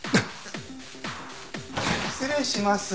失礼します。